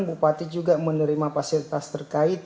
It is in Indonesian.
bupati juga menerima fasilitas terkait